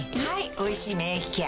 「おいしい免疫ケア」